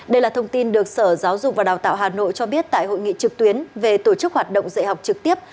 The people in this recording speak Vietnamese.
đây là thông tin được sở giáo dục và đào tạo hà nội cho biết tại hội nghị trực tuyến về tổ chức hoạt động dạy học trực tiếp